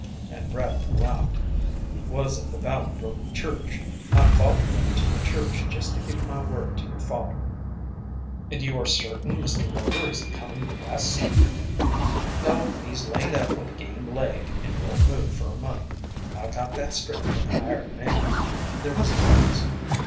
And Bradner laughed. "It was at the Valley Brook Church. I followed them to the church just to keep my word to your father." "And you are certain Mr. Rover isn't coming West?" "No, he's laid up with a game leg, and won't move for a month. I got that straight from the hired man." There was a pause.